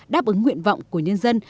đáp ứng nguyện vọng của nhân dân